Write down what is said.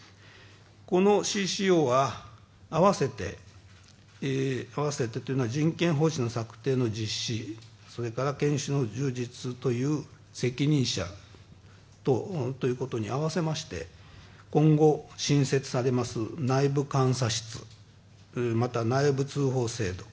このＣＣＯは、合わせて合わせてといいますのは人権方針の策定と実施それから研修の充実という責任者等ということに併せまして今後、新設されます、内部監査室また、内部通報制度